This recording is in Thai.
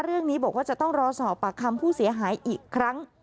เรื่องนี้บอกว่าจะต้องรอสอบปากคำผู้เสียหายอีกครั้ง